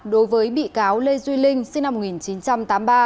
đối với bị cáo lê duy linh sinh năm một nghìn chín trăm tám mươi ba